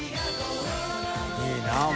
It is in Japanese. いいお前。